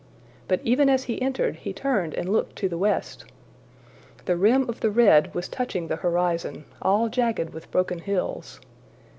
But even as he entered, he turned and looked to the west. The rim of the red was touching the horizon, all jagged with broken hills.